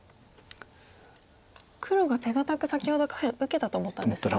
黒が手堅く先ほど下辺受けたと思ったんですが。